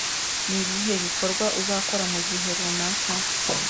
Ni ibihe bikorwa uzakora mu gihe runaka